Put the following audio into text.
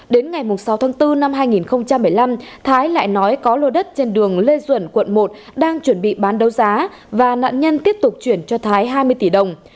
đến ngày sáu tháng bốn năm hai nghìn một mươi năm thái lại nói có lô đất trên đường lê duẩn quận một đang chuẩn bị bán đấu giá và nạn nhân tiếp tục chuyển cho thái hai mươi tỷ đồng